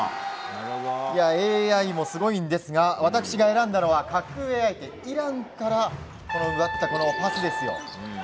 ＡＩもすごいんですが私が選んだのは格上相手イランから奪ったパスですよ。